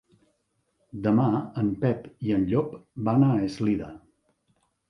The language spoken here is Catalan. Demà en Pep i en Llop van a Eslida.